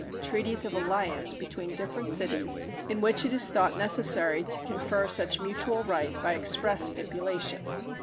treaties of alliance between different cities in which it is thought necessary to confer such mutual right by express stipulation.